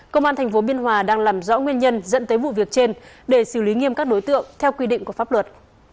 công an tp biên hòa đang làm rõ nguyên nhân dẫn tới vụ việc trên để xử lý nghiêm các đối tượng theo quy định của pháp luật